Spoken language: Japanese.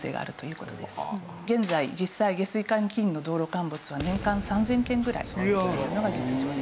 現在実際下水管近隣の道路陥没は年間３０００件ぐらい起きているのが実情です。